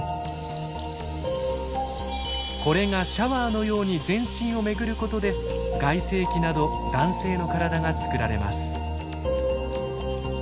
これがシャワーのように全身を巡ることで外性器など男性の体が作られます。